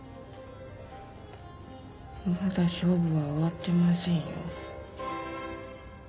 まだ勝負は終わってませんよ。